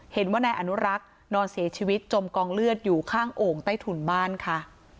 เห็นว่านายอนุรักษ์นอนเสียชีวิตจมกองเลือดอยู่ข้างโอ่งใต้ถุนบ้านค่ะ